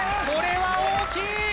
これは大きい！